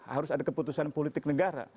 harus ada keputusan politik negara